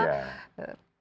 bank domestik ya